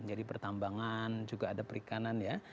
jadi pertambangan juga ada perikanan ya